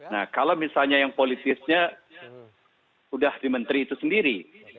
nah kalau misalnya yang politisnya sudah di menteri itu sendiri